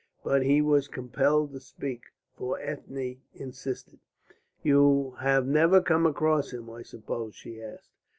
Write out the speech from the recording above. But he was compelled to speak, for Ethne insisted. "You have never come across him, I suppose?" she asked.